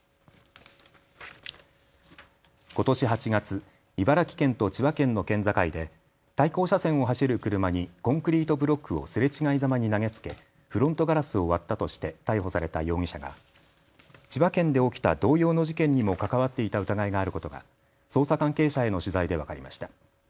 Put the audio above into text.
ことし８月、茨城県と千葉県の県境で対向車線を走る車にコンクリートブロックをすれ違いざまに投げつけフロントガラスを割ったとして逮捕された容疑者が千葉県で起きた同様の事件にも関わっていた疑いがあることが捜査関係者への取材で分かりました。